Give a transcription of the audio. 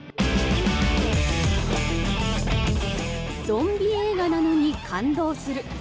ゾンビ映画なのに感動する。